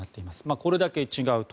これだけ違うと。